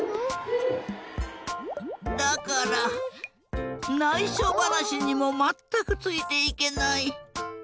だからないしょばなしにもまったくついていけない。